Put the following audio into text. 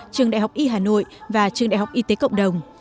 trường đại học y hà nội và trường đại học y tế cộng đồng